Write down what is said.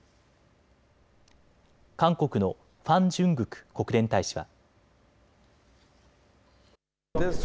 韓国のファン・ジュングク国連大使は。